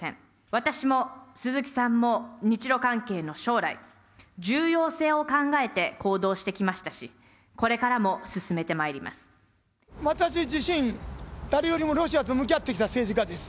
私も鈴木さんも、日ロ関係の将来、重要性を考えて行動してきましたし、私自身、誰よりもロシアと向き合ってきた政治家です。